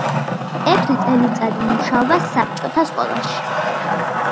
ექვსი წელიწადი მუშაობდა საბჭოთა სკოლაში.